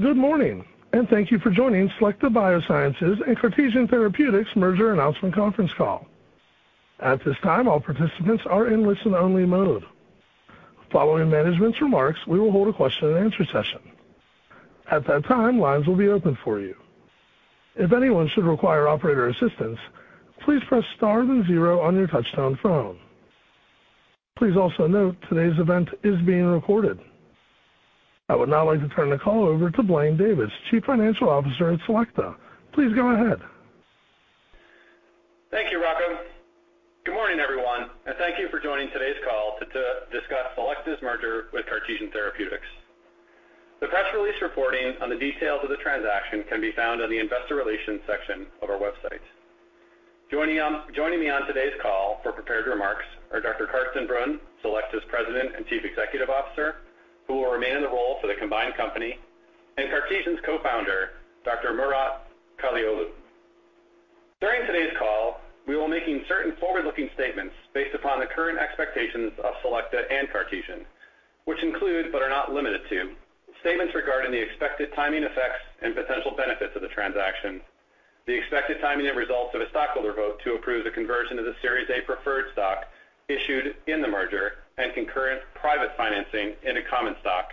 Good morning, and thank you for joining Selecta Biosciences and Cartesian Therapeutics merger announcement conference call. At this time, all participants are in listen-only mode. Following management's remarks, we will hold a question-and-answer session. At that time, lines will be open for you. If anyone should require operator assistance, please press star then zero on your touchtone phone. Please also note today's event is being recorded. I would now like to turn the call over to Blaine Davis, Chief Financial Officer at Selecta. Please go ahead. Thank you, Rocco. Good morning, everyone, and thank you for joining today's call to discuss Selecta's merger with Cartesian Therapeutics. The press release reporting on the details of the transaction can be found on the Investor Relations section of our website. Joining me on today's call for prepared remarks are Dr. Carsten Brunn, Selecta's President and Chief Executive Officer, who will remain in the role for the combined company, and Cartesian's co-founder, Dr. Murat Kalayoglu. During today's call, we will be making certain forward-looking statements based upon the current expectations of Selecta and Cartesian, which include, but are not limited to, statements regarding the expected timing, effects, and potential benefits of the transaction, the expected timing and results of a stockholder vote to approve the conversion of the Series A preferred stock issued in the merger and concurrent private financing into common stock,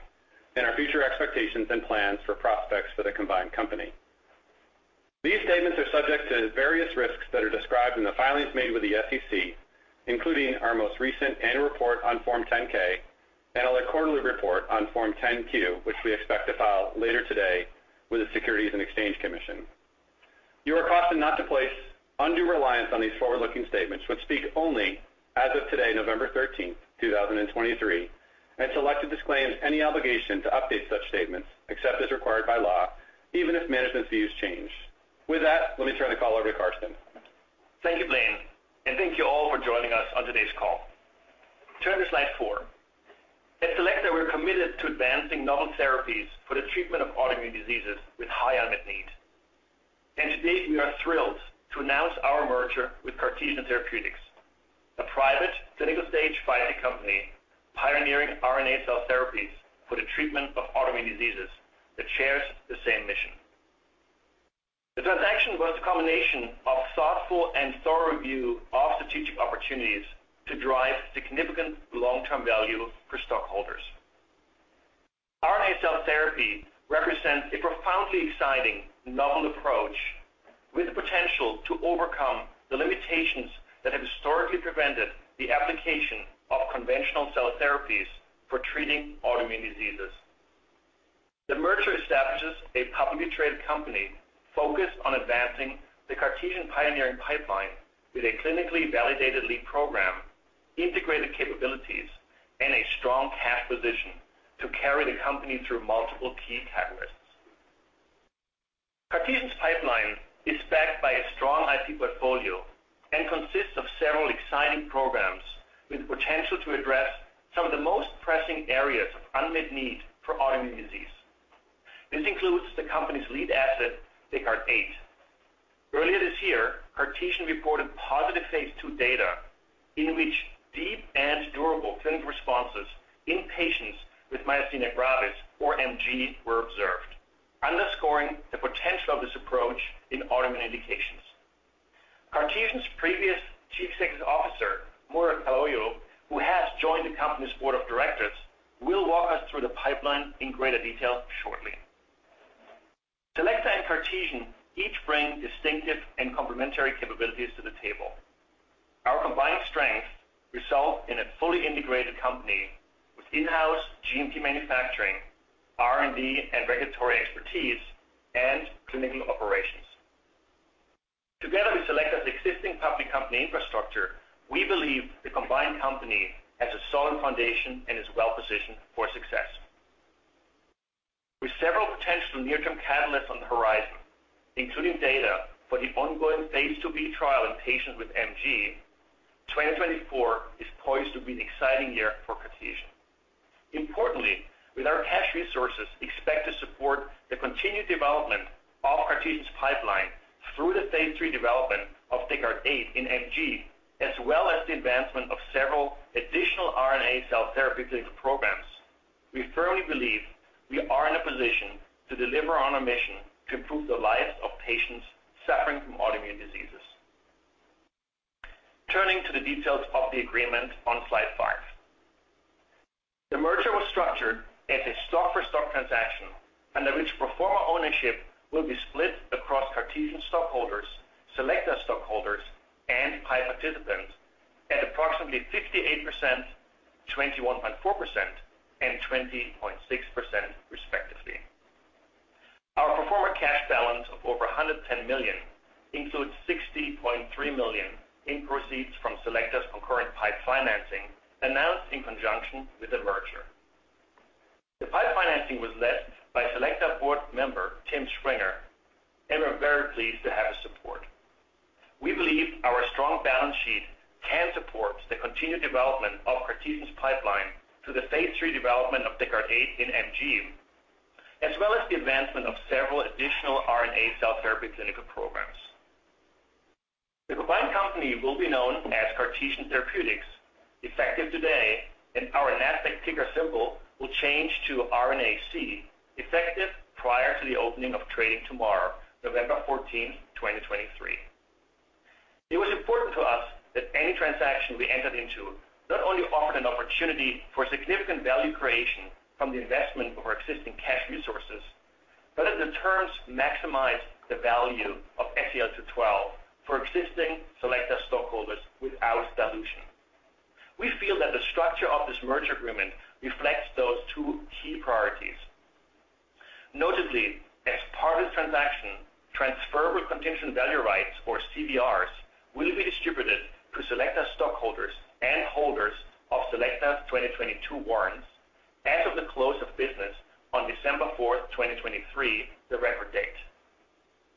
and our future expectations and plans for prospects for the combined company. These statements are subject to various risks that are described in the filings made with the SEC, including our most recent annual report on Form 10-K and our quarterly report on Form 10-Q, which we expect to file later today with the Securities and Exchange Commission. You are cautioned not to place undue reliance on these forward-looking statements, which speak only as of today, November 13, 2023, and Selecta disclaims any obligation to update such statements, except as required by law, even if management's views change. With that, let me turn the call over to Carsten. Thank you, Blaine, and thank you all for joining us on today's call. Turn to slide 4. At Selecta, we're committed to advancing novel therapies for the treatment of autoimmune diseases with high unmet need. Today, we are thrilled to announce our merger with Cartesian Therapeutics, a private clinical-stage biotech company, pioneering RNA cell therapies for the treatment of autoimmune diseases, that shares the same mission. The transaction was a combination of thoughtful and thorough review of strategic opportunities to drive significant long-term value for stockholders. RNA cell therapy represents a profoundly exciting novel approach with the potential to overcome the limitations that have historically prevented the application of conventional cell therapies for treating autoimmune diseases. The merger establishes a publicly traded company focused on advancing the Cartesian pioneering pipeline with a clinically validated lead program, integrated capabilities, and a strong cash position to carry the company through multiple key catalysts. Cartesian's pipeline is backed by a strong IP portfolio and consists of several exciting programs with the potential to address some of the most pressing areas of unmet need for autoimmune disease. This includes the company's lead asset, Descartes-08. Earlier this year, Cartesian reported positive phase II data in which deep and durable clinical responses in patients with myasthenia gravis or MG were observed, underscoring the potential of this approach in autoimmune indications. Cartesian's previous Chief Executive Officer, Murat Kalayoglu, who has joined the company's board of directors, will walk us through the pipeline in greater detail shortly. Selecta and Cartesian each bring distinctive and complementary capabilities to the table. Our combined strengths result in a fully integrated company with in-house cGMP manufacturing, R&D and regulatory expertise, and clinical operations. Together with Selecta's existing public company infrastructure, we believe the combined company has a solid foundation and is well-positioned for success. With several potential near-term catalysts on the horizon, including data for the phase II-B trial in patients with MG, 2024 is poised to be an exciting year for Cartesian. Importantly, with our cash resources expect to support the continued development of Cartesian's pipeline through the phase III development of Descartes-08 in MG, as well as the advancement of several additional RNA cell therapy clinical programs. We firmly believe we are in a position to deliver on our mission to improve the lives of patients suffering from autoimmune diseases. Turning to the details of the agreement on slide 5. The merger was structured as a stock-for-stock transaction, under which pro forma ownership will be split across Cartesian stockholders, Selecta stockholders, and PIPE participants at approximately 58%, 21.4%, and 20.6%, respectively. Our pro forma cash balance of over $110 million includes $60.3 million in proceeds from Selecta's concurrent PIPE financing, announced in conjunction with the merger. The PIPE financing was led by Selecta board member, Tim Springer, and we're very pleased to have his support. We believe our strong balance sheet can support the continued development of Cartesian's pipeline through the phase III development of Descartes-08 in MG, as well as the advancement of several additional RNA cell therapy clinical programs. The combined company will be known as Cartesian Therapeutics, effective today, and our NASDAQ ticker symbol will change to RNAC, effective prior to the opening of trading tomorrow, November 14, 2023. It was important to us that any transaction we entered into not only offered an opportunity for significant value creation from the investment of our existing cash resources, but that the terms maximize the value of SEL-212 for existing Selecta stockholders without dilution. We feel that the structure of this merger agreement reflects those two key priorities. Notably, as part of the transaction, transferable contingent value rights or CVRs will be distributed to Selecta stockholders and holders of Selecta's 2022 warrants as of the close of business on December 4, 2023, the record date.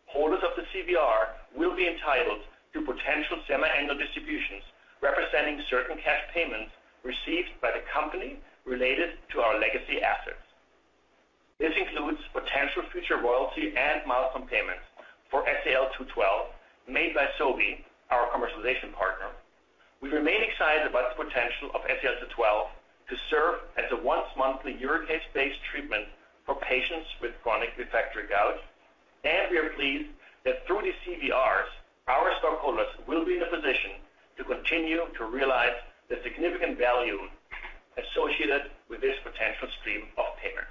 Holders of the CVR will be entitled to potential semi-annual distributions, representing certain cash payments received by the company related to our legacy assets. This includes potential future royalty and milestone payments for SEL-212 made by Sobi, our commercialization partner. We remain excited about the potential of SEL-212 to serve as a once-monthly urate-based treatment for patients with chronic refractory gout, and we are pleased that through the CVRs, our stockholders will be in a position to continue to realize the significant value associated with this potential stream of payments.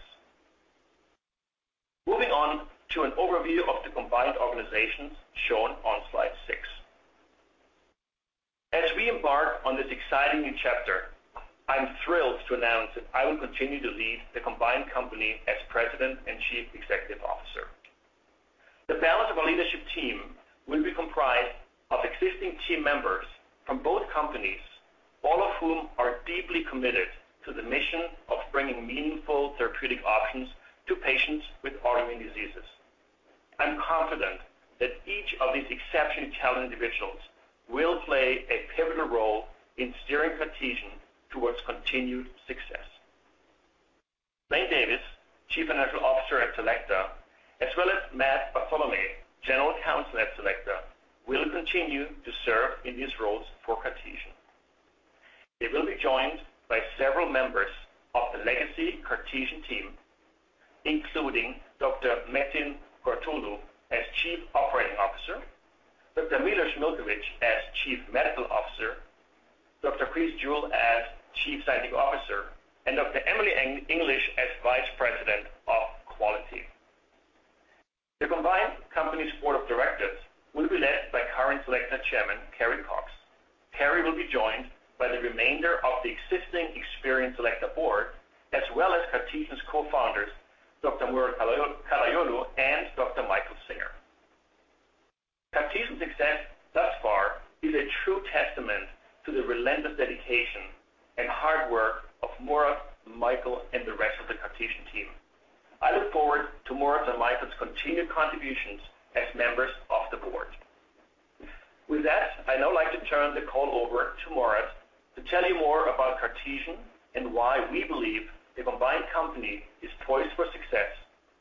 Moving on to an overview of the combined organizations, shown on slide 6. As we embark on this exciting new chapter, I'm thrilled to announce that I will continue to lead the combined company as President and Chief Executive Officer. The balance of our leadership team will be comprised of existing team members from both companies, all of whom are deeply committed to the mission of bringing meaningful therapeutic options to patients with autoimmune diseases. I'm confident that each of these exceptionally talented individuals will play a pivotal role in steering Cartesian towards continued success. Blaine Davis, Chief Financial Officer at Selecta, as well as Matthew Bartholomae, General Counsel at Selecta, will continue to serve in these roles for Cartesian. They will be joined by several members of the legacy Cartesian team, including Dr. Metin Kurtoglu as Chief Operating Officer, Dr. Milos Miljkovic as Chief Medical Officer, Dr. Chris Jewell as Chief Scientific Officer, and Dr. Emily English as Vice President of Quality. The combined company's board of directors will be led by current Selecta Chairman, Carrie Cox. Carrie will be joined by the remainder of the existing experienced Selecta board, as well as Cartesian's co-founders, Dr. Murat Kalayoglu and Dr. Michael Singer. Cartesian's success thus far is a true testament to the relentless dedication and hard work of Murat, Michael, and the rest of the Cartesian team. I look forward to Murat and Michael's continued contributions as members of the board. With that, I'd now like to turn the call over to Murat to tell you more about Cartesian and why we believe the combined company is poised for success,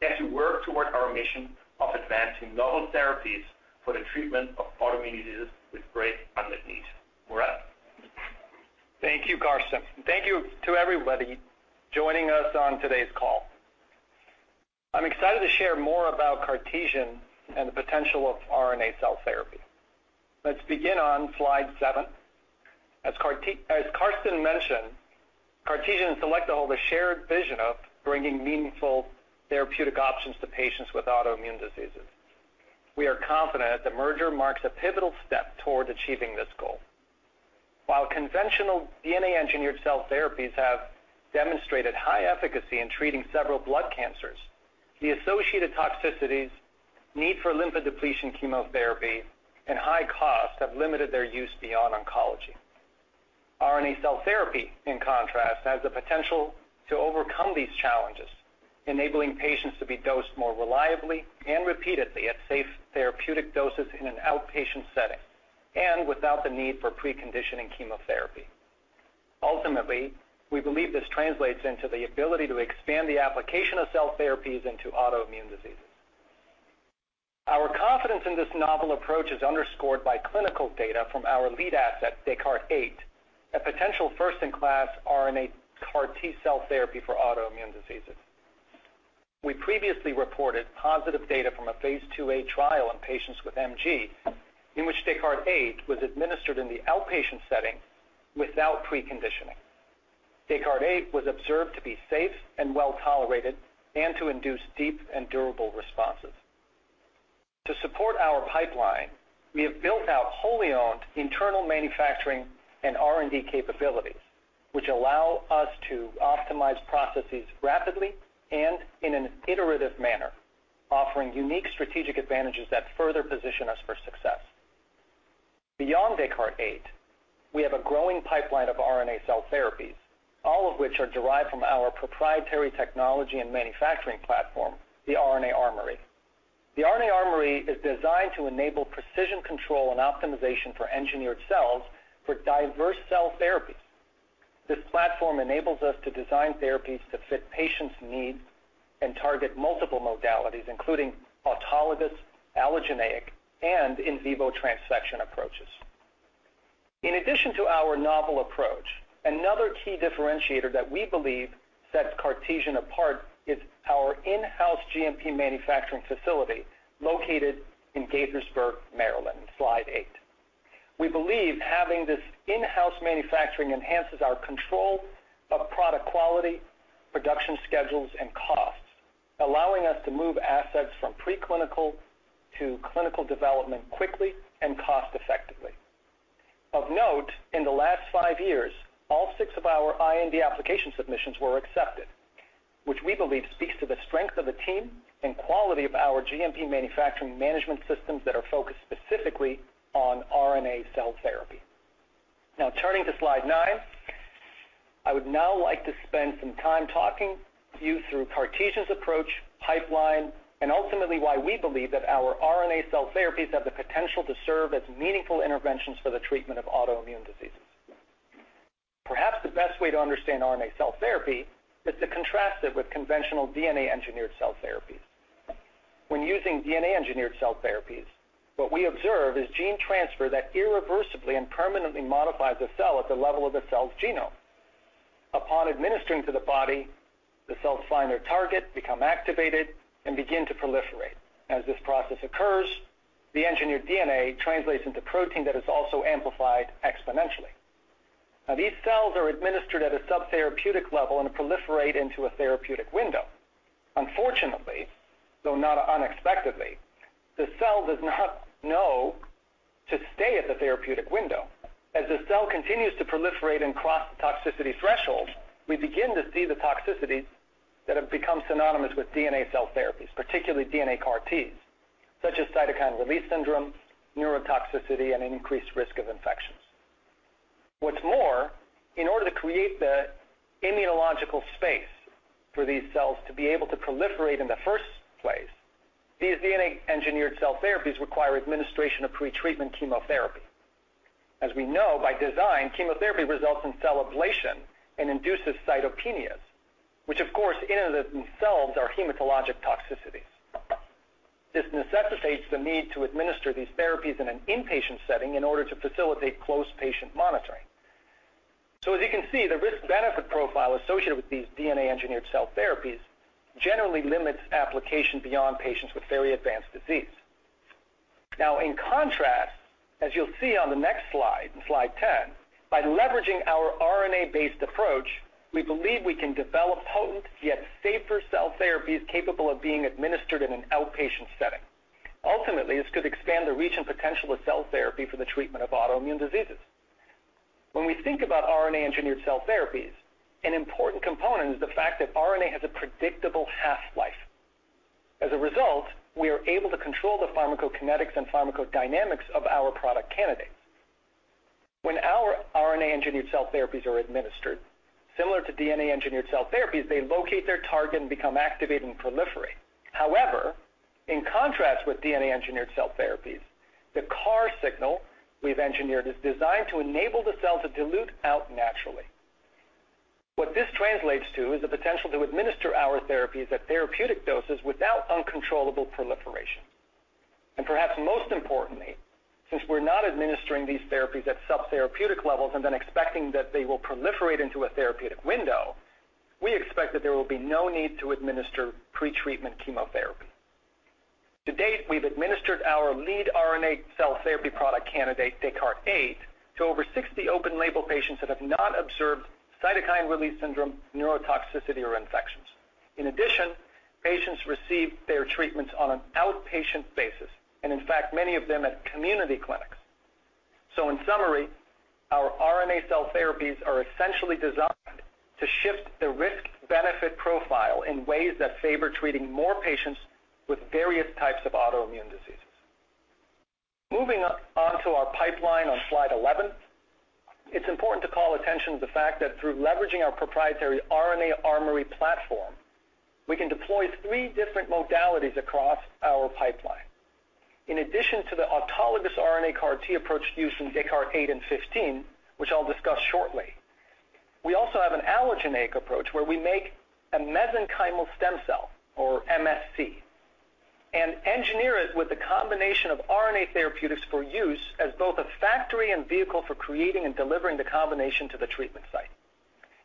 as we work toward our mission of advancing novel therapies for the treatment of autoimmune diseases with great unmet need. Murat? Thank you, Carsten. Thank you to everybody joining us on today's call. I'm excited to share more about Cartesian and the potential of RNA cell therapy. Let's begin on slide 7. As Carsten mentioned, Cartesian and Selecta hold a shared vision of bringing meaningful therapeutic options to patients with autoimmune diseases. We are confident that the merger marks a pivotal step towards achieving this goal. While conventional DNA-engineered cell therapies have demonstrated high efficacy in treating several blood cancers, the associated toxicities, need for lymphodepletion chemotherapy, and high costs have limited their use beyond oncology. RNA cell therapy, in contrast, has the potential to overcome these challenges, enabling patients to be dosed more reliably and repeatedly at safe therapeutic doses in an outpatient setting, and without the need for preconditioning chemotherapy. Ultimately, we believe this translates into the ability to expand the application of cell therapies into autoimmune diseases. Our confidence in this novel approach is underscored by clinical data from our lead asset, Descartes-08, a potential first-in-class RNA CAR T-cell therapy for autoimmune diseases. We previously reported positive data from a phase II-A trial in patients with MG, in which Descartes-08 was administered in the outpatient setting without preconditioning. Descartes-08 was observed to be safe and well tolerated and to induce deep and durable responses. To support our pipeline, we have built out wholly owned internal manufacturing and R&D capabilities, which allow us to optimize processes rapidly and in an iterative manner, offering unique strategic advantages that further position us for success. Beyond Descartes-08, we have a growing pipeline of RNA cell therapies, all of which are derived from our proprietary technology and manufacturing platform, the RNA Armory. The RNA Armory is designed to enable precision control and optimization for engineered cells for diverse cell therapies. This platform enables us to design therapies to fit patients' needs and target multiple modalities, including autologous, allogeneic, and in vivo transfection approaches. In addition to our novel approach, another key differentiator that we believe sets Cartesian apart is our in-house GMP manufacturing facility, located in Gaithersburg, Maryland. Slide 8. We believe having this in-house manufacturing enhances our control of product quality, production schedules, and costs, allowing us to move assets from preclinical to clinical development quickly and cost-effectively. Of note, in the last five years, all six of our IND application submissions were accepted, which we believe speaks to the strength of the team and quality of our GMP manufacturing management systems that are focused specifically on RNA cell therapy. Now, turning to slide 9, I would now like to spend some time talking you through Cartesian's approach, pipeline, and ultimately, why we believe that our RNA cell therapies have the potential to serve as meaningful interventions for the treatment of autoimmune diseases. Perhaps the best way to understand RNA cell therapy is to contrast it with conventional DNA-engineered cell therapies. When using DNA-engineered cell therapies, what we observe is gene transfer that irreversibly and permanently modifies the cell at the level of the cell's genome. Upon administering to the body, the cells find their target, become activated, and begin to proliferate. As this process occurs, the engineered DNA translates into protein that is also amplified exponentially. Now, these cells are administered at a subtherapeutic level and proliferate into a therapeutic window. Unfortunately, though not unexpectedly, the cell does not know to stay at the therapeutic window. As the cell continues to proliferate and cross the toxicity threshold, we begin to see the toxicities that have become synonymous with DNA cell therapies, particularly DNA CAR Ts, such as cytokine release syndrome, neurotoxicity, and increased risk of infections. What's more, in order to create the immunological space for these cells to be able to proliferate in the first place, these DNA-engineered cell therapies require administration of pretreatment chemotherapy. As we know, by design, chemotherapy results in cell ablation and induces cytopenias, which, of course, in and of themselves, are hematologic toxicities. This necessitates the need to administer these therapies in an inpatient setting in order to facilitate close patient monitoring. So as you can see, the risk-benefit profile associated with these DNA-engineered cell therapies generally limits application beyond patients with very advanced disease. Now, in contrast, as you'll see on the next slide, in slide 10, by leveraging our RNA-based approach, we believe we can develop potent, yet safer, cell therapies capable of being administered in an outpatient setting. Ultimately, this could expand the reach and potential of cell therapy for the treatment of autoimmune diseases. When we think about RNA-engineered cell therapies, an important component is the fact that RNA has a predictable half-life. As a result, we are able to control the pharmacokinetics and pharmacodynamics of our product candidates. When our RNA-engineered cell therapies are administered, similar to DNA-engineered cell therapies, they locate their target and become activated and proliferate. However, in contrast with DNA-engineered cell therapies, the CAR signal we've engineered is designed to enable the cell to dilute out naturally. What this translates to is the potential to administer our therapies at therapeutic doses without uncontrollable proliferation. Perhaps most importantly, since we're not administering these therapies at subtherapeutic levels and then expecting that they will proliferate into a therapeutic window, we expect that there will be no need to administer pretreatment chemotherapy. To date, we've administered our lead RNA cell therapy product candidate, Descartes-08, to over 60 open label patients that have not observed cytokine release syndrome, neurotoxicity, or infections. In addition, patients receive their treatments on an outpatient basis, and in fact, many of them at community clinics. So in summary, our RNA cell therapies are essentially designed to shift the risk-benefit profile in ways that favor treating more patients with various types of autoimmune diseases. Moving on to our pipeline on slide 11, it's important to call attention to the fact that through leveraging our proprietary RNA Armory platform, we can deploy three different modalities across our pipeline. In addition to the autologous RNA CAR T approach used in Descartes-08 and Descartes-15, which I'll discuss shortly, we also have an allogeneic approach, where we make a mesenchymal stem cell, or MSC, and engineer it with a combination of RNA therapeutics for use as both a factory and vehicle for creating and delivering the combination to the treatment site.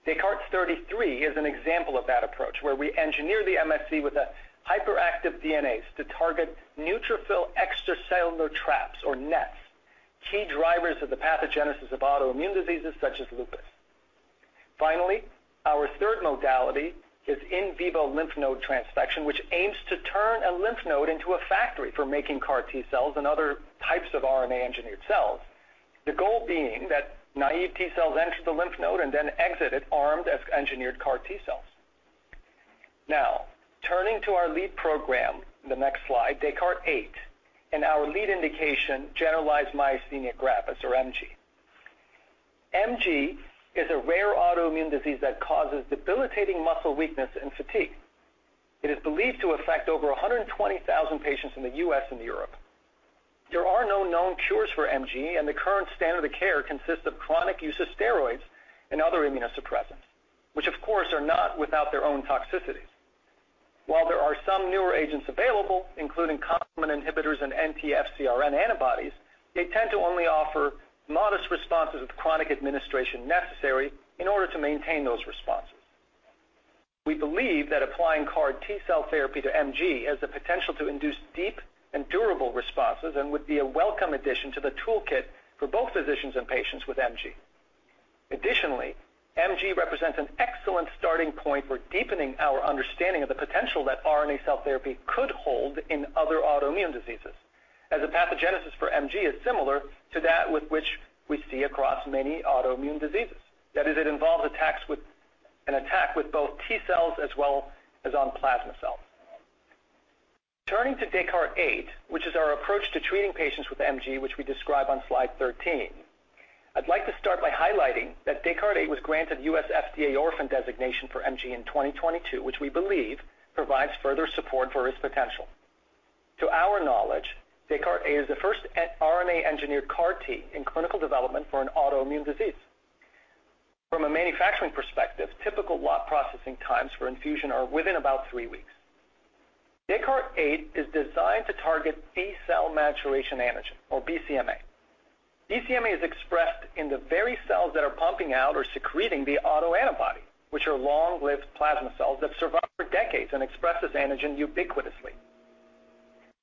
Descartes-33 is an example of that approach, where we engineer the MSC with a hyperactive DNase to target neutrophil extracellular traps or NETs, key drivers of the pathogenesis of autoimmune diseases such as lupus. Finally, our third modality is in vivo lymph node transfection, which aims to turn a lymph node into a factory for making CAR T-cells and other types of RNA-engineered cells. The goal being that naive T-cells enter the lymph node and then exit it armed as engineered CAR T-cells. Now, turning to our lead program, the next slide, Descartes-08, and our lead indication, generalized myasthenia gravis or MG. MG is a rare autoimmune disease that causes debilitating muscle weakness and fatigue. It is believed to affect over 120,000 patients in the U.S. and Europe.... There are no known cures for MG, and the current standard of care consists of chronic use of steroids and other immunosuppressants, which of course, are not without their own toxicities. While there are some newer agents available, including complement inhibitors and anti-FcRN antibodies, they tend to only offer modest responses with chronic administration necessary in order to maintain those responses. We believe that applying CAR T-cell therapy to MG has the potential to induce deep and durable responses and would be a welcome addition to the toolkit for both physicians and patients with MG. Additionally, MG represents an excellent starting point for deepening our understanding of the potential that RNA cell therapy could hold in other autoimmune diseases, as the pathogenesis for MG is similar to that with which we see across many autoimmune diseases. That is, it involves an attack with both T-cells as well as on plasma cells. Turning to Descartes-08, which is our approach to treating patients with MG, which we describe on slide 13. I'd like to start by highlighting that Descartes-08 was granted U.S. FDA Orphan designation for MG in 2022, which we believe provides further support for its potential. To our knowledge, Descartes-08 is the first RNA-engineered CAR-T in clinical development for an autoimmune disease. From a manufacturing perspective, typical lot processing times for infusion are within about three weeks. Descartes-08 is designed to target B-cell maturation antigen, or BCMA. BCMA is expressed in the very cells that are pumping out or secreting the autoantibody, which are long-lived plasma cells that survive for decades and express this antigen ubiquitously.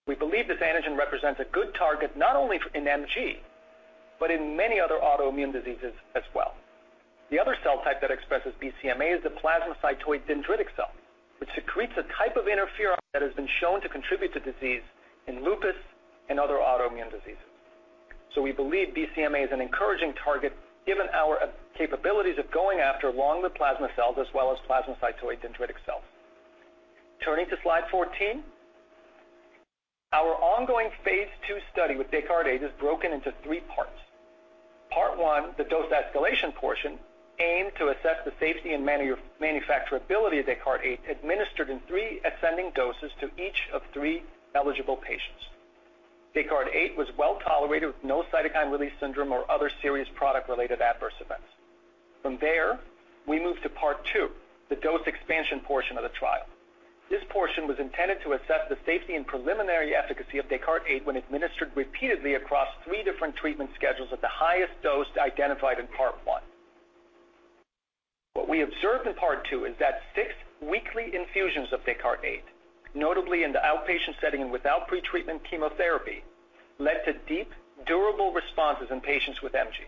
We believe this antigen represents a good target, not only for in MG, but in many other autoimmune diseases as well. The other cell type that expresses BCMA is the plasmacytoid dendritic cell, which secretes a type of interferon that has been shown to contribute to disease in lupus and other autoimmune diseases. So we believe BCMA is an encouraging target, given our capabilities of going after long-lived plasma cells as well as plasmacytoid dendritic cells. Turning to slide 14, our ongoing phase II study with Descartes-08 is broken into three parts. Part One, the dose escalation portion, aimed to assess the safety and manufacturability of Descartes-08, administered in three ascending doses to each of three eligible patients. Descartes-08 was well tolerated, with no cytokine release syndrome or other serious product-related adverse events. From there, we moved to Part Two, the dose expansion portion of the trial. This portion was intended to assess the safety and preliminary efficacy of Descartes-08 when administered repeatedly across three different treatment schedules at the highest dose identified in Part One. What we observed in Part Two is that six weekly infusions of Descartes-08, notably in the outpatient setting and without pretreatment chemotherapy, led to deep, durable responses in patients with MG.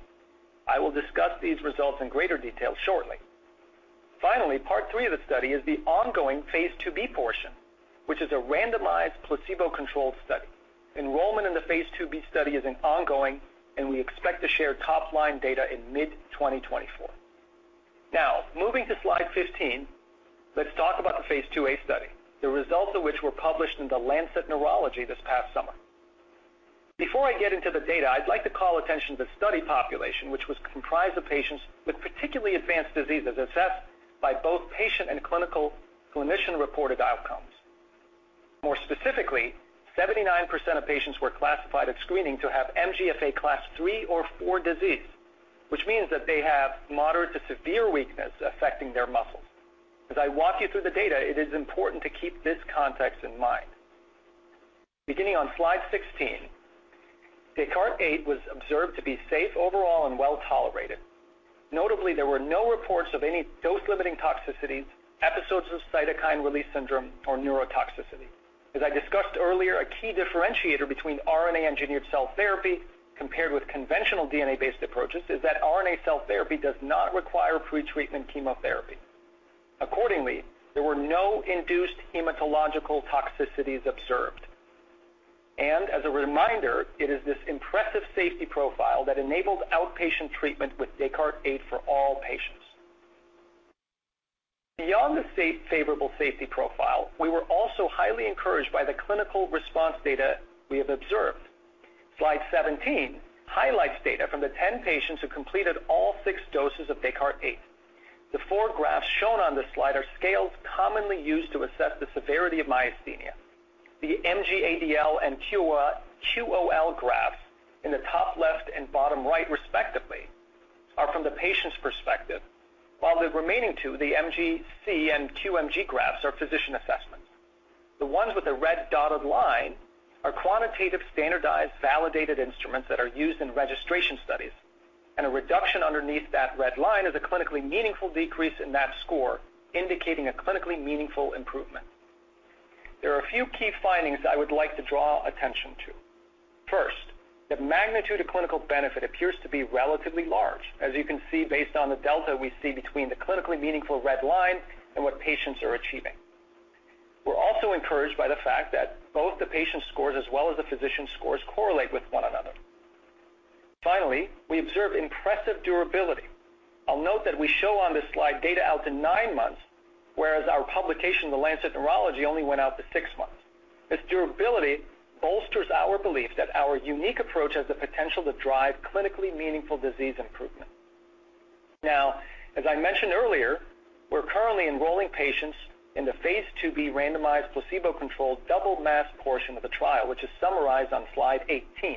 I will discuss these results in greater detail shortly. Finally, Part Three of the study is the phase II-B portion, which is a randomized, placebo-controlled study. Enrollment in phase II-B study is ongoing, and we expect to share top-line data in mid-2024. Now, moving to slide 15, let's talk about the phase II-A study, the results of which were published in The Lancet Neurology this past summer. Before I get into the data, I'd like to call attention to the study population, which was comprised of patients with particularly advanced diseases, assessed by both patient and clinical clinician-reported outcomes. More specifically, 79% of patients were classified at screening to have MGFA Class 3 or 4 disease, which means that they have moderate to severe weakness affecting their muscles. As I walk you through the data, it is important to keep this context in mind. Beginning on slide 16, DESCARTES-08 was observed to be safe overall and well tolerated. Notably, there were no reports of any dose-limiting toxicities, episodes of cytokine release syndrome, or neurotoxicity. As I discussed earlier, a key differentiator between RNA-engineered cell therapy compared with conventional DNA-based approaches, is that RNA cell therapy does not require pretreatment chemotherapy. Accordingly, there were no induced hematological toxicities observed. As a reminder, it is this impressive safety profile that enabled outpatient treatment with Descartes-08 for all patients. Beyond the safe, favorable safety profile, we were also highly encouraged by the clinical response data we have observed. Slide 17 highlights data from the 10 patients who completed all 6 doses of Descartes-08. The four graphs shown on this slide are scales commonly used to assess the severity of myasthenia. The MGADL and QOL graphs in the top left and bottom right, respectively, are from the patient's perspective, while the remaining two, the MGC and QMG graphs, are physician assessments. The ones with the red dotted line are quantitative, standardized, validated instruments that are used in registration studies, and a reduction underneath that red line is a clinically meaningful decrease in that score, indicating a clinically meaningful improvement. There are a few key findings I would like to draw attention to. First, the magnitude of clinical benefit appears to be relatively large, as you can see, based on the delta we see between the clinically meaningful red line and what patients are achieving. We're also encouraged by the fact that both the patient scores as well as the physician scores correlate with one another. Finally, we observe impressive durability. I'll note that we show on this slide data out to nine months, whereas our publication in The Lancet Neurology only went out to six months. This durability bolsters our belief that our unique approach has the potential to drive clinically meaningful disease improvement. Now, as I mentioned earlier, we're currently enrolling patients in phase II-B randomized, placebo-controlled, double-masked portion of the trial, which is summarized on slide 18.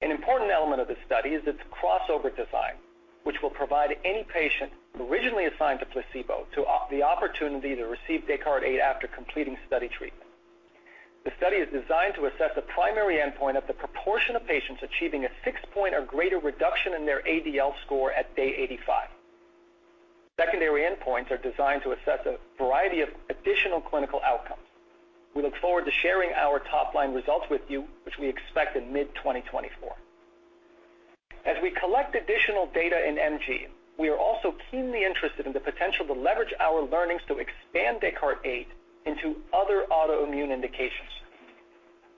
An important element of this study is its crossover design, which will provide any patient originally assigned to placebo the opportunity to receive Descartes-08 after completing study treatment. The study is designed to assess the primary endpoint of the proportion of patients achieving a six-point or greater reduction in their ADL score at day 85. Secondary endpoints are designed to assess a variety of additional clinical outcomes. We look forward to sharing our top-line results with you, which we expect in mid-2024. As we collect additional data in MG, we are also keenly interested in the potential to leverage our learnings to expand Descartes-08 into other autoimmune indications.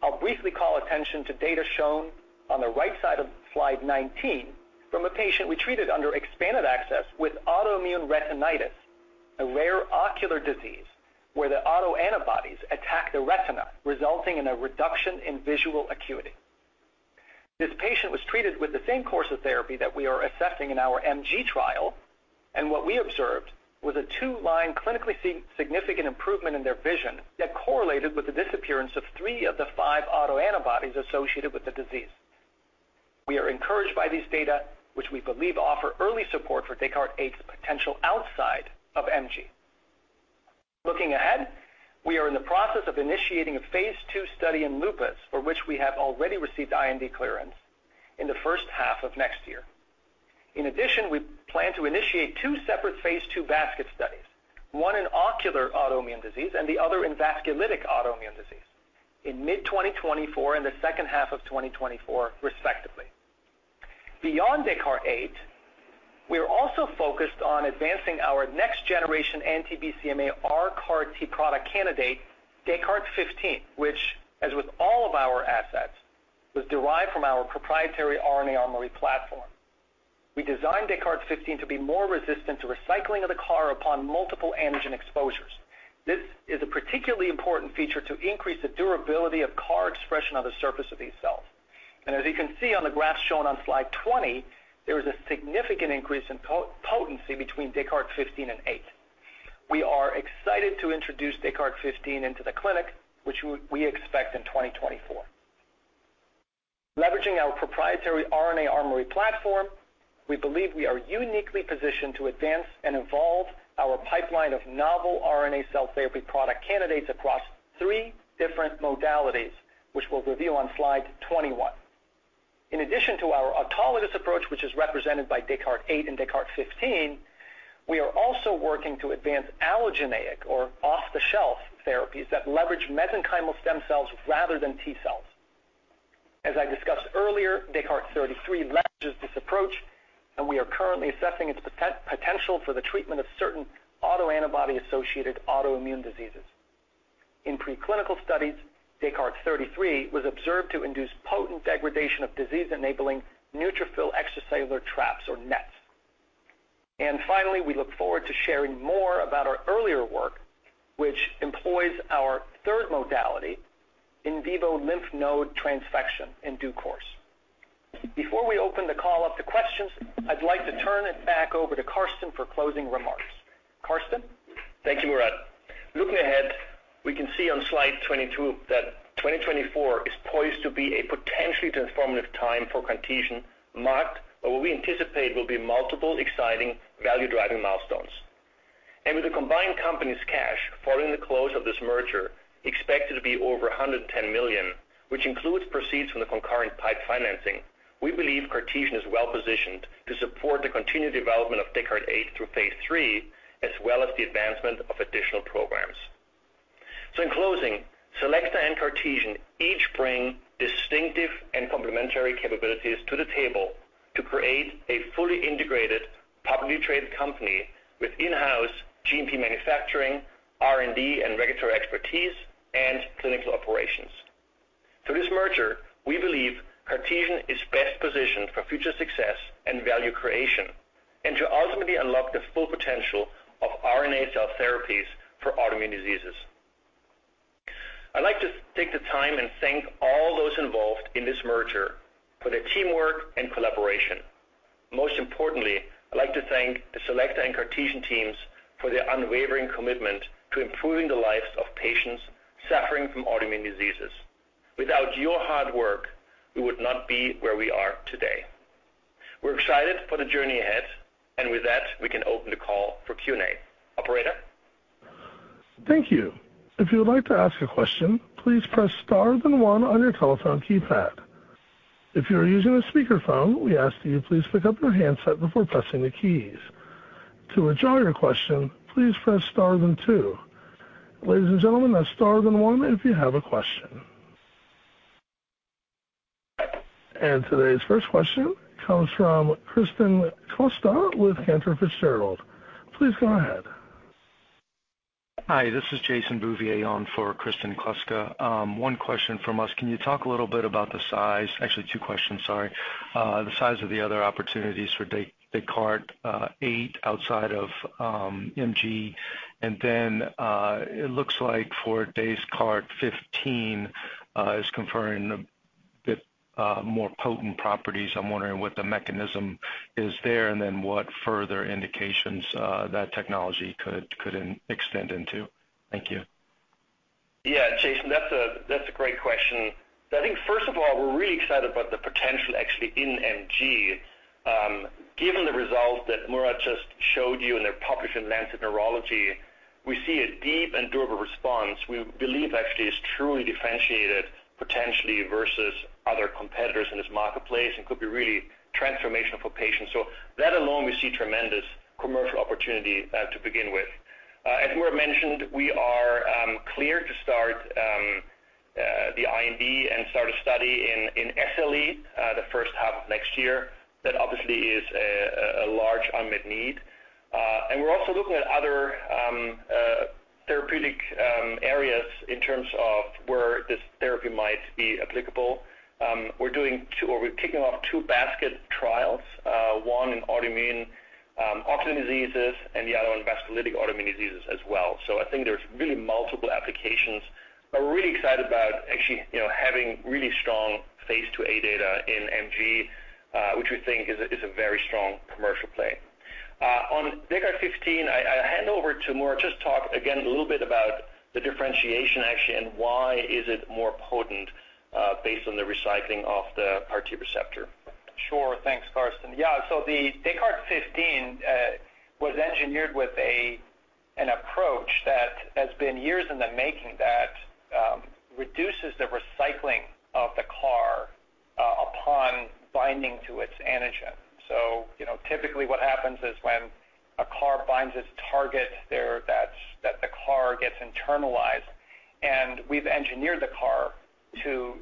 I'll briefly call attention to data shown on the right side of slide 19 from a patient we treated under expanded access with autoimmune retinitis, a rare ocular disease where the autoantibodies attack the retina, resulting in a reduction in visual acuity. This patient was treated with the same course of therapy that we are assessing in our MG trial, and what we observed was a two-line, clinically significant improvement in their vision that correlated with the disappearance of three of the five autoantibodies associated with the disease. We are encouraged by these data, which we believe offer early support for Descartes-08's potential outside of MG. Looking ahead, we are in the process of initiating a phase II study in lupus, for which we have already received IND clearance in the first half of next year. In addition, we plan to initiate two separate phase II basket studies, one in ocular autoimmune disease and the other in vasculitic autoimmune disease, in mid-2024 and the second half of 2024, respectively. Beyond Descartes-08, we are also focused on advancing our next-generation anti-BCMA rCAR-T product candidate, Descartes-15, which, as with all of our assets, was derived from our proprietary RNA Armory platform. We designed Descartes-15 to be more resistant to recycling of the CAR upon multiple antigen exposures. This is a particularly important feature to increase the durability of CAR expression on the surface of these cells. As you can see on the graph shown on slide 20, there is a significant increase in potency between Descartes-15 and 8. We are excited to introduce Descartes-15 into the clinic, which we expect in 2024. Leveraging our proprietary RNA Armory platform, we believe we are uniquely positioned to advance and evolve our pipeline of novel RNA cell therapy product candidates across three different modalities, which we'll review on slide 21. In addition to our autologous approach, which is represented by Descartes-08 and Descartes-15, we are also working to advance allogeneic or off-the-shelf therapies that leverage mesenchymal stem cells rather than T-cells. As I discussed earlier, Descartes-33 leverages this approach, and we are currently assessing its potential for the treatment of certain autoantibody-associated autoimmune diseases. In preclinical studies, Descartes-33 was observed to induce potent degradation of disease-enabling neutrophil extracellular traps, or NETs. And finally, we look forward to sharing more about our earlier work, which employs our third modality, in vivo lymph node transfection, in due course. Before we open the call up to questions, I'd like to turn it back over to Carsten for closing remarks. Carsten? Thank you, Murat. Looking ahead, we can see on slide 22 that 2024 is poised to be a potentially transformative time for Cartesian, marked by what we anticipate will be multiple exciting, value-driving milestones. With the combined company's cash following the close of this merger, expected to be over $110 million, which includes proceeds from the concurrent PIPE financing, we believe Cartesian is well positioned to support the continued development of Descartes-08 through phase III, as well as the advancement of additional programs. In closing, Selecta and Cartesian each bring distinctive and complementary capabilities to the table to create a fully integrated, publicly traded company with in-house GMP manufacturing, R&D and regulatory expertise, and clinical operations. Through this merger, we believe Cartesian is best positioned for future success and value creation, and to ultimately unlock the full potential of RNA cell therapies for autoimmune diseases. I'd like to take the time and thank all those involved in this merger for their teamwork and collaboration. Most importantly, I'd like to thank the Selecta and Cartesian teams for their unwavering commitment to improving the lives of patients suffering from autoimmune diseases. Without your hard work, we would not be where we are today. We're excited for the journey ahead, and with that, we can open the call for Q&A. Operator? Thank you. If you would like to ask a question, please press star then one on your telephone keypad. If you are using a speakerphone, we ask that you please pick up your handset before pressing the keys. To withdraw your question, please press star then two. Ladies and gentlemen, that's star then one if you have a question. Today's first question comes from Kristen Kluska with Cantor Fitzgerald. Please go ahead. Hi, this is Jason Bouvier on for Kristen Kluska. One question from us. Can you talk a little bit about the size? Actually, two questions, sorry. The size of the other opportunities for Descartes-08 outside of MG? And then, it looks like for Descartes-15 is conferring a bit more potent properties. I'm wondering what the mechanism is there, and then what further indications that technology could extend into? Thank you. Yeah, Jason, that's a great question. I think first of all, we're really excited about the potential actually in MG. Given the results that Murat just showed you in the published in Lancet Neurology, we see a deep and durable response we believe actually is truly differentiated potentially versus other competitors in this marketplace and could be really transformational for patients. So that alone, we see tremendous commercial opportunity to begin with. As Murat mentioned, we are clear to start the IND and start a study in SLE the first half of next year. That obviously is a large unmet need. And we're also looking at other therapeutic areas in terms of where this therapy might be applicable. We're doing two or we're kicking off two basket trials, one in autoimmune, orphan diseases and the other one, vasculitic autoimmune diseases as well. So I think there's really multiple applications, but we're really excited about actually, you know, having really strong phase II-A data in MG, which we think is a, is a very strong commercial play. On Descartes-15, I, I'll hand over to Murat, just talk again a little bit about the differentiation actually, and why is it more potent, based on the recycling of the CAR T receptor? Sure. Thanks, Carsten. Yeah, so the Descartes-15 was engineered with an approach that has been years in the making that reduces the recycling of the CAR upon binding to its antigen. So, you know, typically, what happens is when a CAR binds its target there, that's, that the CAR gets internalized, and we've engineered the CAR to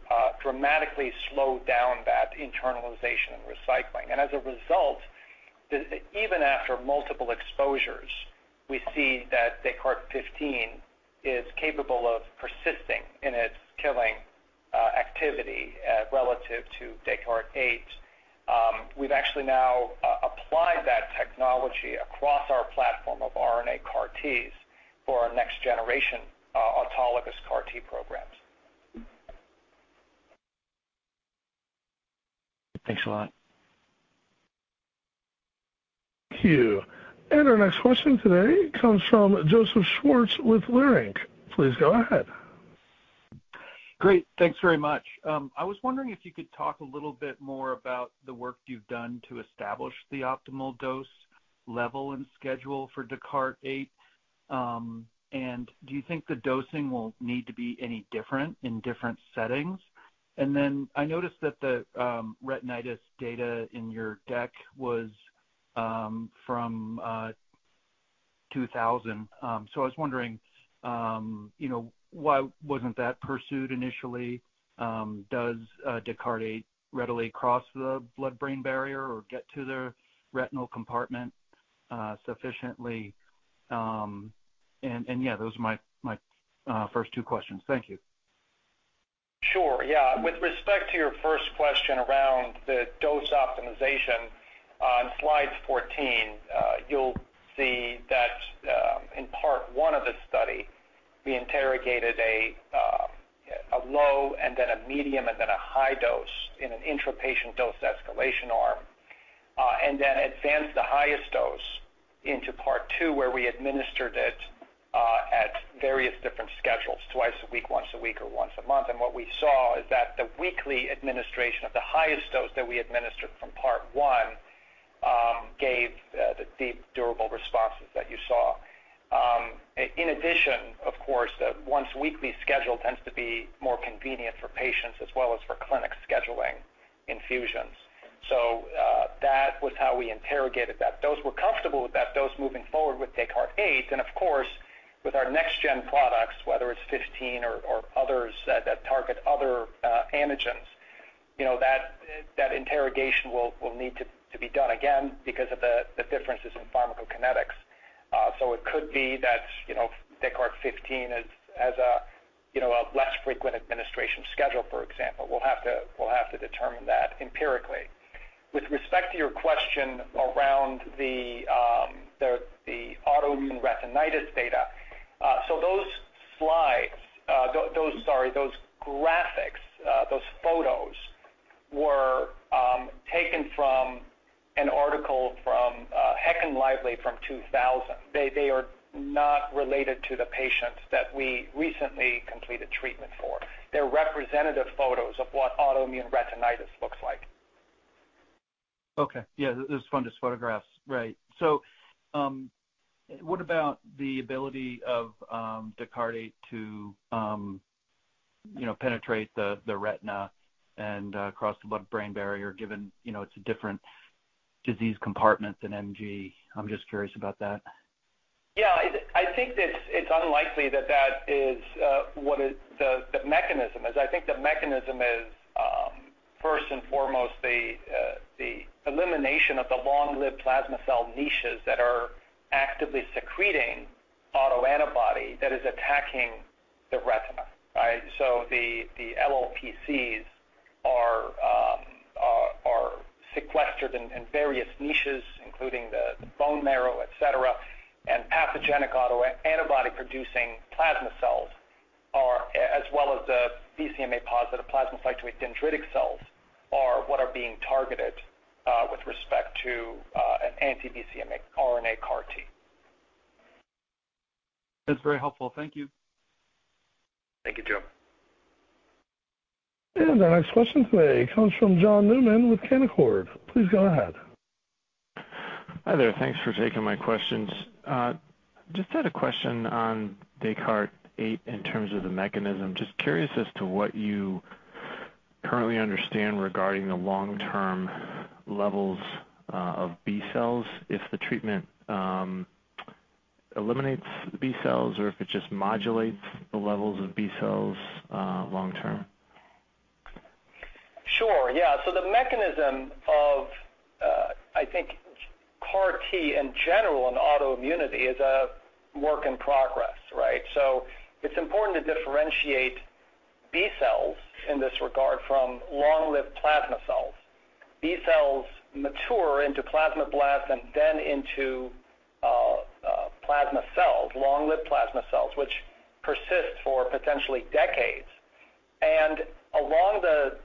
dramatically slow down that internalization and recycling. And as a result, even after multiple exposures, we see that Descartes-15 is capable of persisting in its killing activity relative to Descartes-08. We've actually now applied that technology across our platform of RNA CAR Ts for our next generation autologous CAR T programs. Thanks a lot. Thank you. Our next question today comes from Joseph Schwartz with Leerink. Please go ahead. Great. Thanks very much. I was wondering if you could talk a little bit more about the work you've done to establish the optimal dose, level, and schedule for DESCARTES-08. And do you think the dosing will need to be any different in different settings? And then I noticed that the retinitis data in your deck was from 2000. So I was wondering, you know, why wasn't that pursued initially? Does DESCARTES-08 readily cross the blood-brain barrier or get to the retinal compartment sufficiently? And, yeah, those are my first two questions. Thank you. Sure. Yeah. With respect to your first question around the dose optimization, on slide 14, you'll see that, in Part One of the study, we interrogated a, a low and then a medium and then a high dose in an intrapatient dose escalation arm, and then advanced the highest dose into Part Two, where we administered it at various different schedules, twice a week, once a week, or once a month. And what we saw is that the weekly administration of the highest dose that we administered from Part One, gave the deep, durable responses that you saw. In addition, of course, the once weekly schedule tends to be more convenient for patients as well as for clinic scheduling infusions. So, that was how we interrogated that dose. We're comfortable with that dose moving forward with Descartes-08, and of course, with our next-gen products, whether it's 15 or others that target other antigens, you know, that interrogation will need to be done again because of the differences in pharmacokinetics. So it could be that, you know, Descartes-15 has a less frequent administration schedule, for example. We'll have to determine that empirically. With respect to your question around the autoimmune retinitis data, so those slides, Sorry, those graphics, those photos were taken from an article from Heckenlively from 2000. They are not related to the patients that we recently completed treatment for. They're representative photos of what autoimmune retinitis looks like. Okay. Yeah, those are just photographs. Right. So, what about the ability of Descartes-08 to, you know, penetrate the retina and cross the blood-brain barrier, given, you know, it's a different disease compartment than MG? I'm just curious about that. Yeah, I think that it's unlikely that that is what is the mechanism is. I think the mechanism is first and foremost the elimination of the long-lived plasma cell niches that are actively secreting autoantibody that is attacking the retina, right? So the LLPCs are sequestered in various niches, including the bone marrow, et cetera, and pathogenic autoantibody producing plasma cells are, as well as the BCMA positive plasmacytoid dendritic cells, are what are being targeted with respect to an anti-BCMA RNA CAR T. That's very helpful. Thank you. Thank you, Joe. Our next question today comes from John Newman with Canaccord. Please go ahead. Hi there. Thanks for taking my questions. Just had a question on Descartes-08 in terms of the mechanism. Just curious as to what you currently understand regarding the long-term levels of B-cells, if the treatment eliminates the B-cells or if it just modulates the levels of B-cells long-term? Sure. Yeah. So the mechanism of, I think CAR T in general, in autoimmunity, is a work in progress, right? So it's important to differentiate B-cells in this regard from long-lived plasma cells. B-cells mature into plasmablasts and then into plasma cells, long-lived plasma cells, which persist for potentially decades. And along the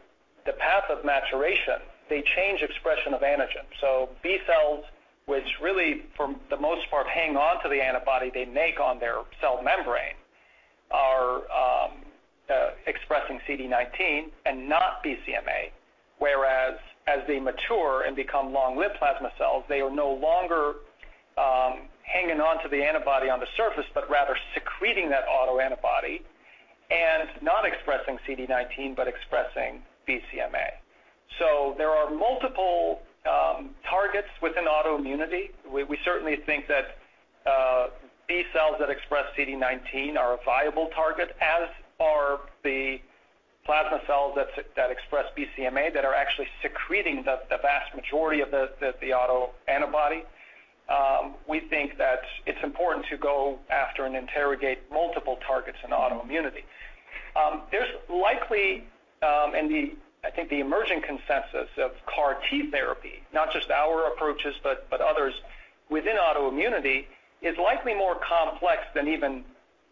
path of maturation, they change expression of antigens. So B-cells, which really, for the most part, hang on to the antibody they make on their cell membrane, are expressing CD19 and not BCMA, whereas as they mature and become long-lived plasma cells, they are no longer hanging on to the antibody on the surface, but rather secreting that autoantibody and not expressing CD19, but expressing BCMA. So there are multiple targets within autoimmunity. We certainly think that B-cells that express CD19 are a viable target, as are the plasma cells that express BCMA, that are actually secreting the vast majority of the autoantibody. We think that it's important to go after and interrogate multiple targets in autoimmunity. There's likely, and I think the emerging consensus of CAR T therapy, not just our approaches, but others within autoimmunity, is likely more complex than even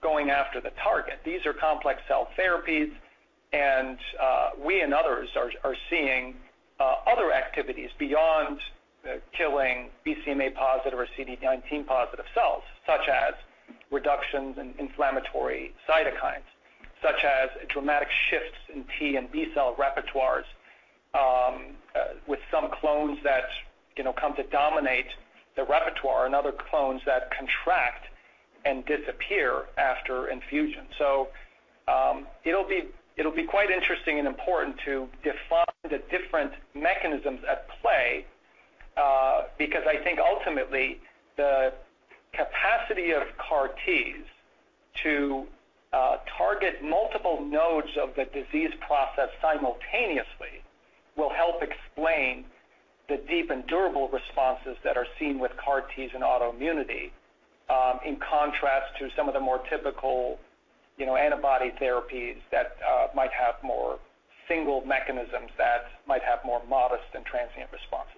going after the target. These are complex cell therapies, and we and others are seeing other activities beyond killing BCMA positive or CD19 positive cells, such as reductions in inflammatory cytokines, such as dramatic shifts in T and B-cell repertoires, with some clones that, you know, come to dominate the repertoire and other clones that contract and disappear after infusion. It'll be quite interesting and important to define the different mechanisms at play, because I think ultimately, the capacity of CAR Ts to target multiple nodes of the disease process simultaneously, will help explain the deep and durable responses that are seen with CAR Ts in autoimmunity, in contrast to some of the more typical, you know, antibody therapies that might have more single mechanisms, that might have more modest and transient responses.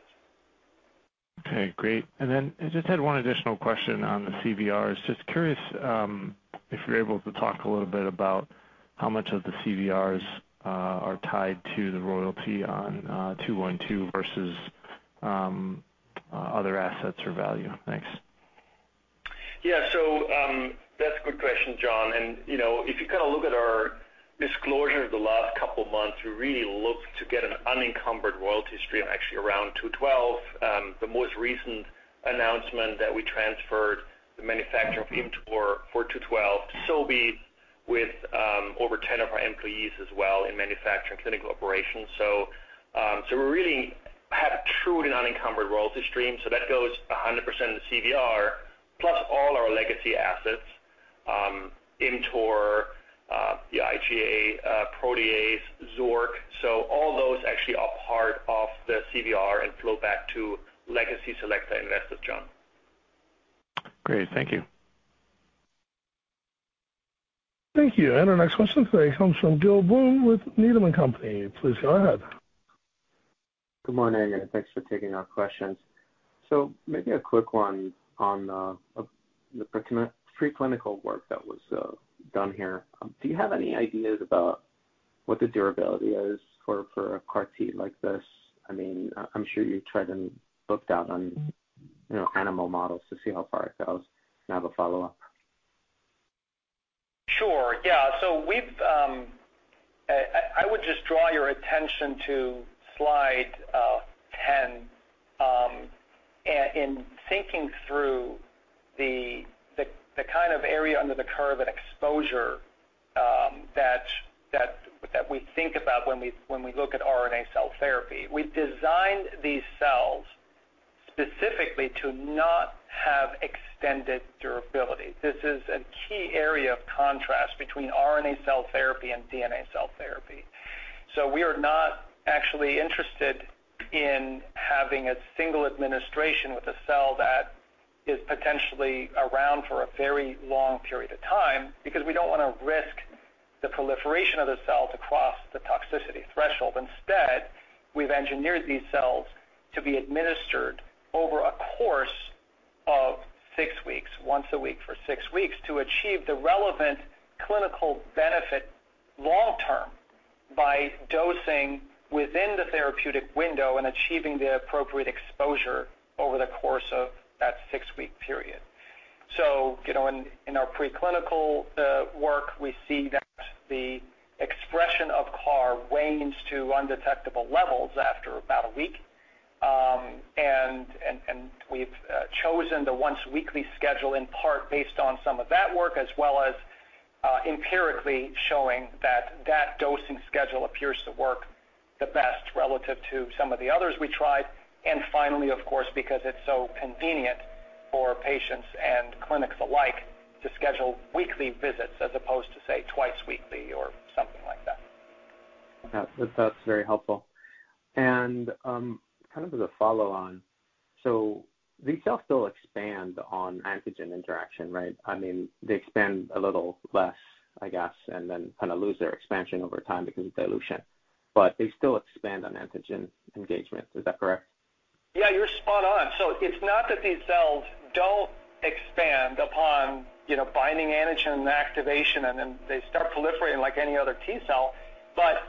Okay, great. And then I just had one additional question on the CVRs. Just curious, if you're able to talk a little bit about how much of the CVRs are tied to the royalty on 212 versus other assets or value? Thanks. Yeah. So, that's a good question, John. And, you know, if you kind of look at our disclosure the last couple of months, we really looked to get an unencumbered royalty stream, actually around SEL-212. The most recent announcement that we transferred the manufacture of ImmTOR for SEL-212 to Sobi, with, over 10 of our employees as well in manufacturing clinical operations. So, so we really have a truly unencumbered royalty stream, so that goes 100% of the CVR, plus all our legacy assets, ImmTOR, the IgA protease, Xork. So all those actually are part of the CVR and flow back to legacy Selecta investors, John. Great. Thank you. Thank you. Our next question today comes from Gil Blum with Needham & Company. Please go ahead. Good morning, and thanks for taking our questions. So maybe a quick one on the preclinical work that was done here. Do you have any ideas about what the durability is for a CAR T like this? I mean, I'm sure you tried and booked out on, you know, animal models to see how far it goes. And I have a follow-up. Sure. Yeah. So I would just draw your attention to slide 10 in thinking through the kind of area under the curve and exposure that we think about when we look at RNA cell therapy. We've designed these cells specifically to not have extended durability. This is a key area of contrast between RNA cell therapy and DNA cell therapy. So we are not actually interested in having a single administration with a cell that is potentially around for a very long period of time, because we don't want to risk the proliferation of the cells across the toxicity threshold. Instead, we've engineered these cells to be administered over a course of six weeks, once a week for six weeks, to achieve the relevant clinical benefit long term by dosing within the therapeutic window and achieving the appropriate exposure over the course of that six-week period. So, you know, in our preclinical work, we see that the expression of CAR wanes to undetectable levels after about a week. And we've chosen the once weekly schedule, in part, based on some of that work, as well as empirically showing that that dosing schedule appears to work the best relative to some of the others we tried. And finally, of course, because it's so convenient for patients and clinics alike to schedule weekly visits as opposed to, say, twice weekly or something like that. Yeah. That, that's very helpful. And, kind of as a follow-on, so these cells still expand on antigen interaction, right? I mean, they expand a little less, I guess, and then kind of lose their expansion over time because of dilution, but they still expand on antigen engagement. Is that correct? Yeah, you're spot on. So it's not that these cells don't expand upon, you know, binding antigen and activation, and then they start proliferating like any other T-cell. But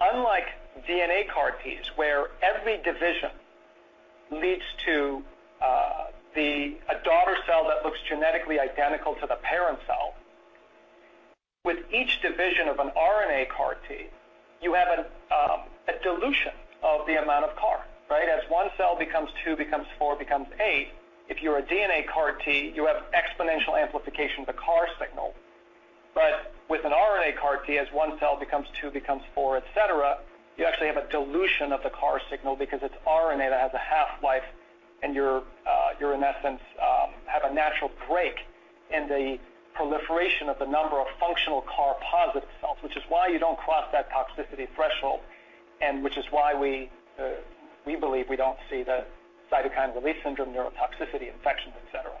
unlike DNA CAR Ts, where every division leads to a daughter cell that looks genetically identical to the parent cell, with each division of an RNA CAR T, you have a dilution of the amount of CAR, right? As one cell becomes two, becomes four, becomes eight, if you're a DNA CAR T, you have exponential amplification of the CAR signal. But with an RNA CAR T, as one cell becomes two, becomes four, et cetera, you actually have a dilution of the CAR signal because it's RNA that has a half-life, and you're, you're in essence, have a natural break in the proliferation of the number of functional CAR-positive cells, which is why you don't cross that toxicity threshold, and which is why we, we believe we don't see the cytokine release syndrome, neurotoxicity, infections, et cetera.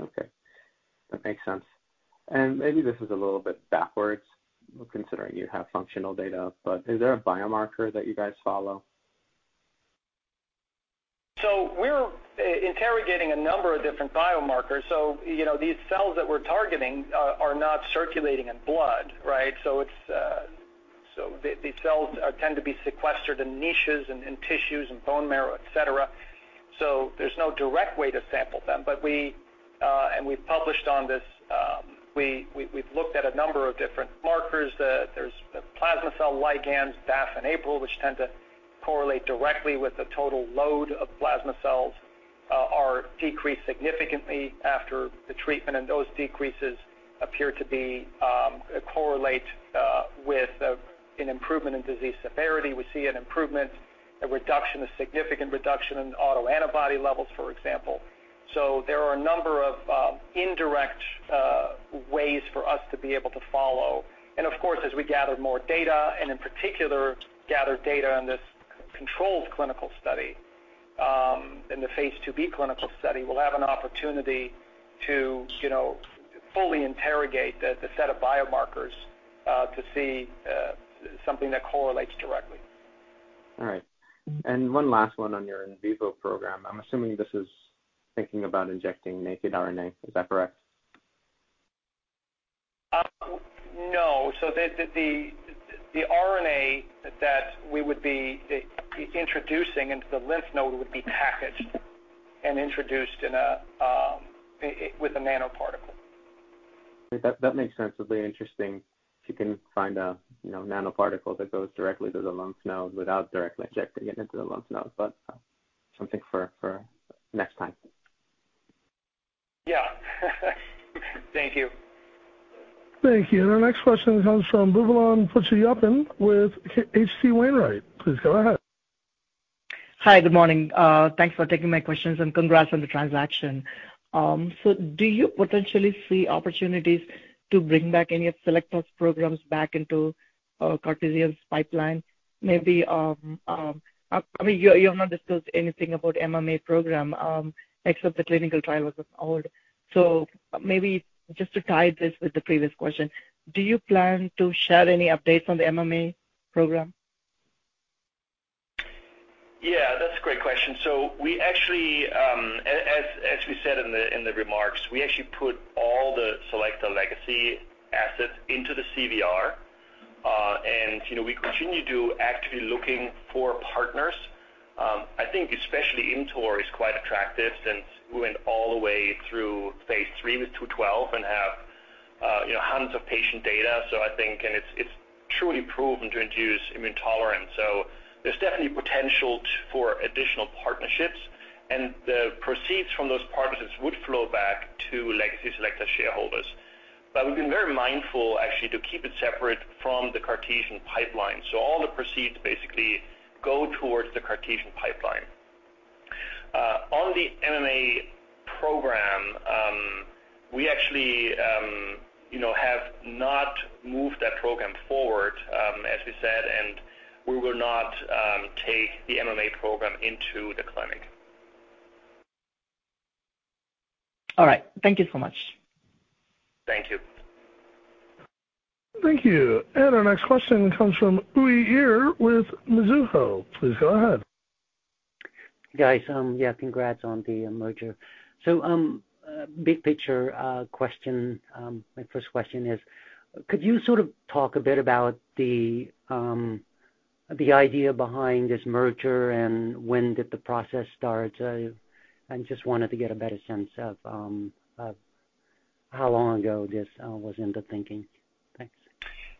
Okay. That makes sense. Maybe this is a little bit backwards, considering you have functional data, but is there a biomarker that you guys follow? So we're interrogating a number of different biomarkers. So, you know, these cells that we're targeting are not circulating in blood, right? So these cells tend to be sequestered in niches and in tissues and bone marrow, et cetera, so there's no direct way to sample them. But we've published on this. We've looked at a number of different markers. There's the plasma cell ligands, BAFF and APRIL, which tend to correlate directly with the total load of plasma cells, are decreased significantly after the treatment, and those decreases appear to correlate with an improvement in disease severity. We see an improvement, a reduction, a significant reduction in autoantibody levels, for example. So there are a number of indirect ways for us to be able to follow. Of course, as we gather more data, and in particular, gather data on this controlled clinical study, in phase II-B clinical study, we'll have an opportunity to, you know, fully interrogate the set of biomarkers, to see something that correlates directly. All right. One last one on your in vivo program. I'm assuming this is thinking about injecting naked RNA. Is that correct? No. So the RNA that we would be introducing into the lymph node would be packaged and introduced with a nanoparticle. That makes sense. It'll be interesting if you can find a, you know, nanoparticle that goes directly to the lymph nodes without directly injecting it into the lymph nodes, but something for next time. Yeah. Thank you. Thank you. Our next question comes from Boobalan Pachaiyappan with H.C. Wainwright. Please go ahead. Hi, good morning. Thanks for taking my questions, and congrats on the transaction. So do you potentially see opportunities to bring back any of Selecta's programs back into Cartesian's pipeline? Maybe, I mean, you you have not discussed anything about MMA program, except the clinical trial was old. So maybe just to tie this with the previous question, do you plan to share any updates on the MMA program? Yeah, that's a great question. So we actually, as we said in the remarks, we actually put all the Selecta legacy assets into the CVR. And, you know, we continue to do actively looking for partners. I think especially in ImmTOR is quite attractive since we went all the way through phase III with 212 and have, you know, hundreds of patient data. So I think... And it's truly proven to induce immune tolerance. So there's definitely potential for additional partnerships, and the proceeds from those partnerships would flow back to legacy Selecta shareholders. But we've been very mindful, actually, to keep it separate from the Cartesian pipeline. So all the proceeds basically go towards the Cartesian pipeline. On the MMA program, we actually, you know, have not moved that program forward, as we said, and we will not take the MMA program into the clinic. All right. Thank you so much. Thank you. Thank you. Our next question comes from Uy Ear with Mizuho. Please go ahead. Guys, yeah, congrats on the merger. So, big picture question, my first question is, could you sort of talk a bit about the idea behind this merger, and when did the process start? I just wanted to get a better sense of how long ago this was in the thinking. Thanks.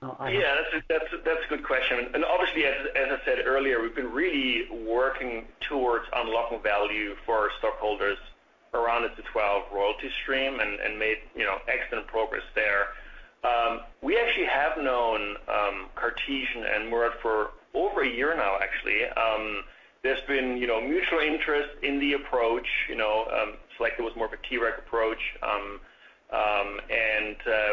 Yeah, that's a good question. Obviously, as I said earlier, we've been really working towards unlocking value for our stockholders around the SEL-212 royalty stream and made, you know, excellent progress there. We actually have known Cartesian and Murat for over a year now, actually. There's been, you know, mutual interest in the approach, you know. Selecta was more of a T-reg approach.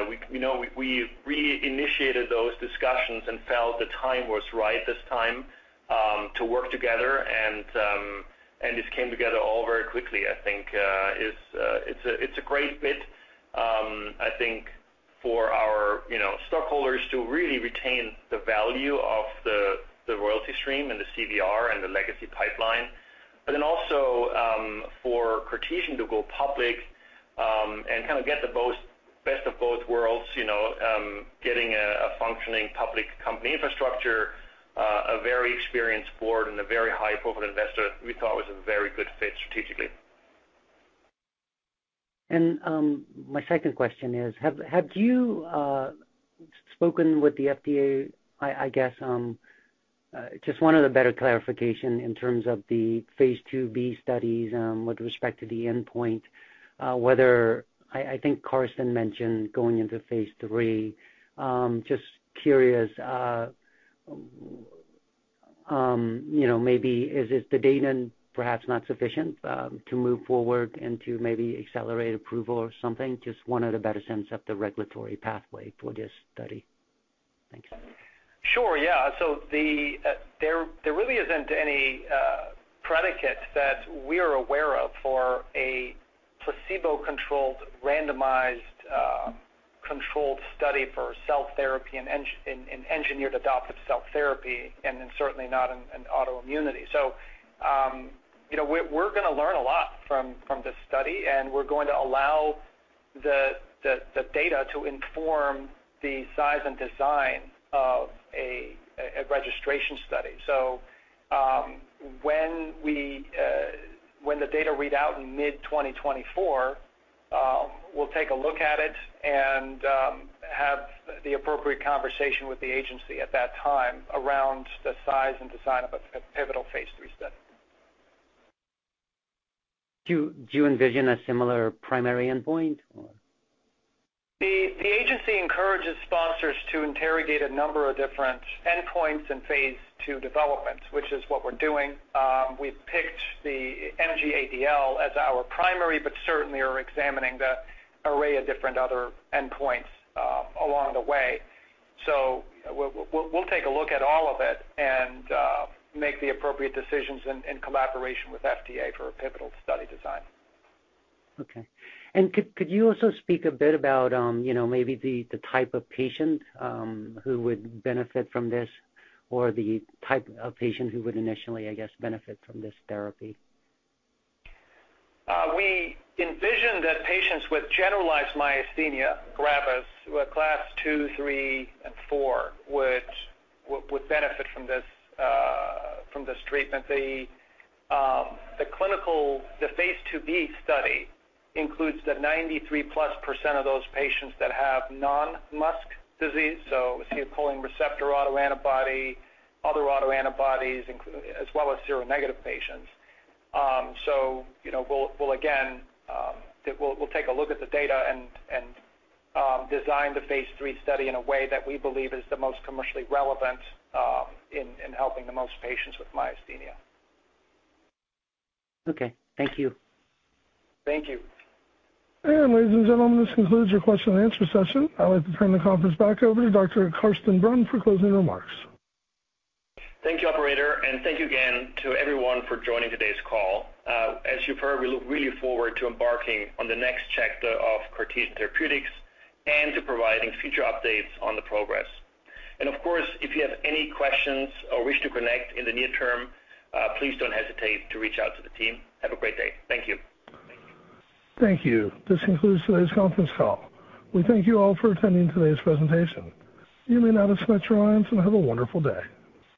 We, you know, we initiated those discussions and felt the time was right this time to work together. This came together all very quickly. I think it's a great fit, I think for our, you know, stockholders to really retain the value of the royalty stream and the CVR and the legacy pipeline. But then also, for Cartesian to go public, and kind of get the best of both worlds. You know, getting a functioning public company infrastructure, a very experienced board, and a very high-profile investor, we thought was a very good fit strategically. My second question is, have you spoken with the FDA? I guess just wanted a better clarification in terms of phase II-B studies, with respect to the endpoint, whether... I think Carsten mentioned going into phase III. Just curious, you know, maybe is it the data perhaps not sufficient to move forward into maybe accelerated approval or something? Just wanted a better sense of the regulatory pathway for this study. Thanks. Sure. Yeah. So there really isn't any predicate that we're aware of for a placebo-controlled, randomized, controlled study for cell therapy in engineered adoptive cell therapy, and then certainly not in autoimmunity. So, you know, we're gonna learn a lot from this study, and we're going to allow the data to inform the size and design of a registration study. So, when the data read out in mid-2024, we'll take a look at it and have the appropriate conversation with the agency at that time around the size and design of a pivotal phase III study. Do you, do you envision a similar primary endpoint, or? The agency encourages sponsors to interrogate a number of different endpoints in phase II development, which is what we're doing. We've picked the MG-ADL as our primary, but certainly are examining the array of different other endpoints along the way. So we'll take a look at all of it and make the appropriate decisions in collaboration with FDA for a pivotal study design. Okay. And could you also speak a bit about, you know, maybe the type of patient who would benefit from this, or the type of patient who would initially, I guess, benefit from this therapy? We envision that patients with generalized myasthenia gravis, who are Class 2, 3, and 4, would benefit from this treatment. phase II-B study includes that 93%+ of those patients that have non-MuSK disease, so acetylcholine receptor autoantibody, other autoantibodies, including as well as seronegative patients. So, you know, we'll again take a look at the data and design the phase III study in a way that we believe is the most commercially relevant, in helping the most patients with myasthenia. Okay. Thank you. Thank you. Ladies and gentlemen, this concludes your question and answer session. I'd like to turn the conference back over to Dr. Carsten Brunn for closing remarks. Thank you, Operator, and thank you again to everyone for joining today's call. As you heard, we look really forward to embarking on the next chapter of Cartesian Therapeutics and to providing future updates on the progress. And of course, if you have any questions or wish to connect in the near term, please don't hesitate to reach out to the team. Have a great day. Thank you. Thank you. This concludes today's conference call. We thank you all for attending today's presentation. You may now disconnect your lines and have a wonderful day.